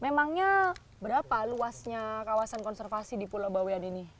memangnya berapa luasnya kawasan konservasi di pulau bawean ini